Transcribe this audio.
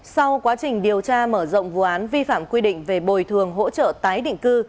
sau quá trình điều tra mở rộng vụ án vi phạm quy định về bồi thường hỗ trợ tái định cư